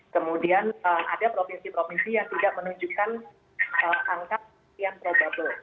kemudian ada provinsi provinsi yang tidak menunjukkan angka yang probable